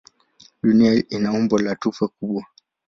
Dunia ina umbo la tufe kubwa.